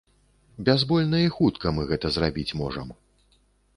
Бязбольна і хутка мы гэта зрабіць можам.